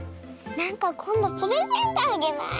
なんかこんどプレゼントあげない？